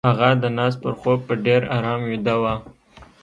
هغه د ناز پر خوب په ډېر آرام ويده وه.